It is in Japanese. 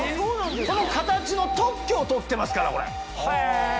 この形の特許を取ってますからこれ。